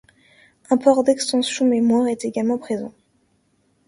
Un port d'extension mémoire est également présent.